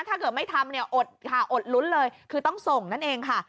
ถ้าเกิดไม่ทำเนี่ยอดค่ะอดลุ้นเลยคือต้องส่งนั่นเองค่ะ